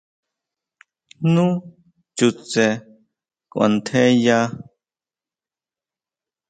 Nu chutse kuantjeya.